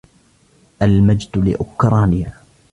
المجد لأوكرانيا